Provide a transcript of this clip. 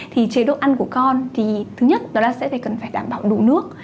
thì chế độ ăn của con thì thứ nhất nó sẽ cần phải đảm bảo đủ nước